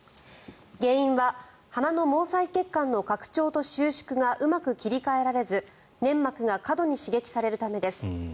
原因は鼻の毛細血管の拡張と収縮がうまく切り替えられず粘膜が過度に刺激されるためです。